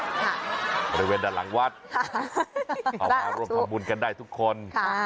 บริเวณด้านหลังวัดเอามาร่วมทำบุญกันได้ทุกคน